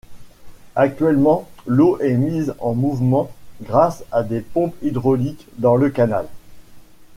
Actuellement, l'eau est mise en mouvement grâce à des pompes hydrauliques dans le canal.